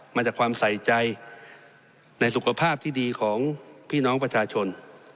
มาจากความใส่ใจในสุขภาพที่ดีของพี่น้องประชาชน